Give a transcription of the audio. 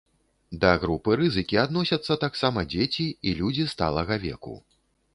Да групы рызыкі адносяцца таксама дзеці і людзі сталага веку.